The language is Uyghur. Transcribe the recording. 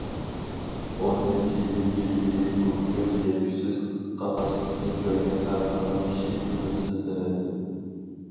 ئون نەچچە يىل ئىلگىرى بۇ كۆز يەتكۈسىز قاقاسلىقنى كۆرگەن ھەر قانداق كىشى ئۈمىدسىزلىنەتتى.